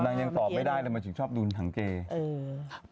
ไม่ได้เลยมันถึงชอบดูหนังเกย์